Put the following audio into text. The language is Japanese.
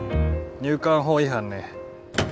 入管法違反ね。